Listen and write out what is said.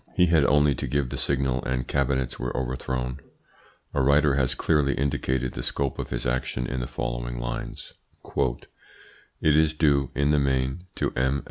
He had only to give the signal and Cabinets were overthrown. A writer has clearly indicated the scope of his action in the following lines: M. Clemenceau. Note of the Translator. "It is due, in the main, to M.